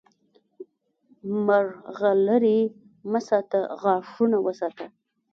مرغلرې مه ساته، غاښونه وساته!